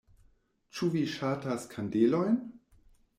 Ĉu vi ŝatas kandelojn?